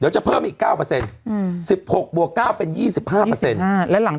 จะเพิ่มอีก๙เฑอร์เซ็นต์๑๖บวก๙เป็น๒๕เฑอร์เซ็นต์